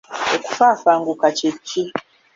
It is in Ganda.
Okufafanguka kye ki?